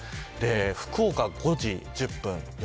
福岡、５時１０分。